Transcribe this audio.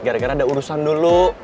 gara gara ada urusan dulu